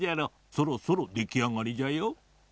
そろそろできあがりじゃよ。